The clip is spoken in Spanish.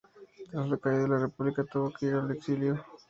Tras la caída de la República, tuvo que ir al exilio.